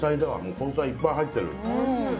根菜いっぱい入ってる。